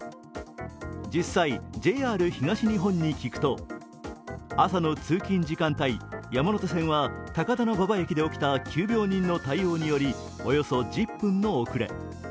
実際、ＪＲ東日本に聞くと朝の通勤時間帯、山手線は高田馬場駅で起きた急病人の対応によりおよそ１０分の遅れ。